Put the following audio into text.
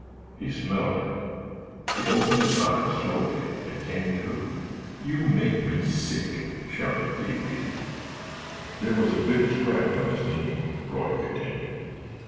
He smelled it. He opened his eyes slowly and came to——" "You make me sick!" shouted Pee wee. "There was a big scratch on his knee," Roy continued.